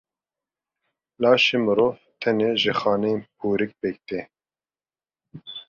Laşê mirov tenê ji xaneyên hûrik pêk tê.